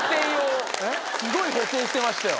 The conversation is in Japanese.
すごい保定してましたよ。